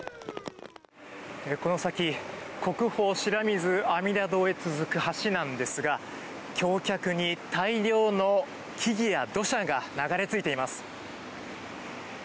この先国宝・白水阿弥陀堂へ続く橋なんですが橋脚に大量の木々や土砂が流れ着いています。